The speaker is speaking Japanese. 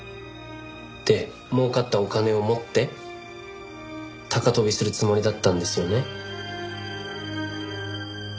で儲かったお金を持って高飛びするつもりだったんですよね？